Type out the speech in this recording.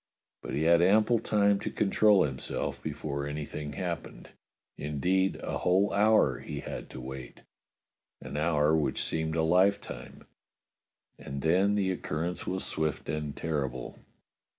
But he had ample time to control himself before anything happened ; indeed, a whole hour he had to wait — an hour which seemed a lifetime; and then the occurrence was swift and terrible.